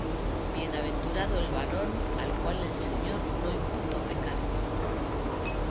Bienaventurado el varón al cual el Señor no imputó pecado.